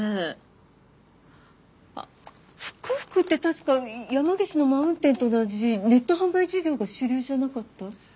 あっ福々って確か山岸のマウンテンと同じネット販売事業が主流じゃなかった？